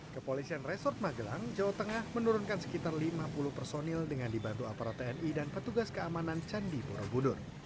kepolisian resort magelang jawa tengah menurunkan sekitar lima puluh personil dengan dibantu aparat tni dan petugas keamanan candi borobudur